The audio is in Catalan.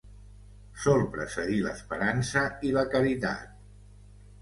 Sol precedir l'esperança i la caritat.